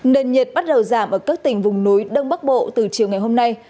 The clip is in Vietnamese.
nền nhiệt bắt đầu giảm ở các tỉnh vùng núi đông bắc bộ từ chiều ngày hôm nay